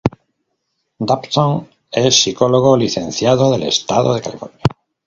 Dobson es psicólogo licenciado del Estado de California.